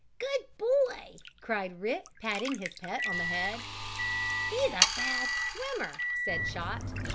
"Good boy!" cried Rick, patting his pet on the head. "He's a fast swimmer," said Chot.